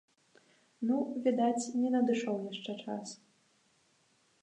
Ну, відаць, не надышоў яшчэ час.